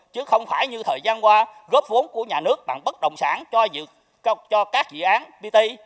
chứ không phải như thời gian qua góp vốn của nhà nước bằng bất động sản cho các dự án pt